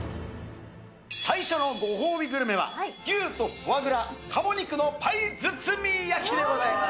最初のご褒美グルメは、牛とフォアグラ・鴨肉のパイ包み焼きでございます。